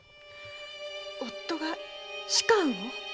夫が仕官を？